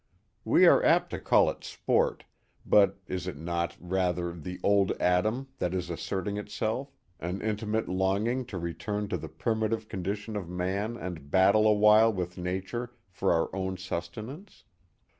We are apt to call it sport, but is it not, rather, the old Adam '* that is asserting itself, an in mate longing to return to the primitive condition of man and 5 6 The Mohawk Valley battle awhile with nature for our own sustenance